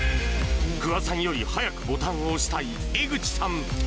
不破さんより速くボタンを押したい江口さん。